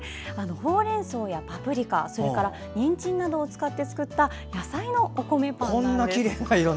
ほうれんそうやパプリカにんじんなどを使って作った野菜のお米パンなんです。